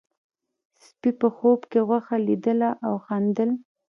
سپي په خوب کې غوښه لیدله او خندل.